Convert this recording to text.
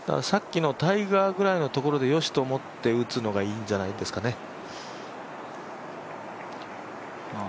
さっきのタイガーぐらいのところでよしと思って打つのがいいんじゃないですかね。